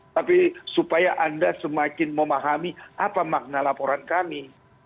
tapi supaya anda semakin memahami apa makna laporan kami